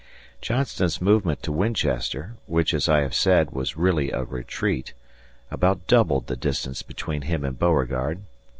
Johnston's movement to Winchester, which, as I have said, was really a retreat, about doubled the distance between him and Beauregard.